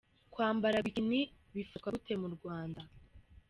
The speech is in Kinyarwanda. Kwambara "Bikini" bifatwa gute mu Rwanda?.